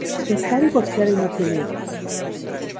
Está divorciada y no tiene hijos.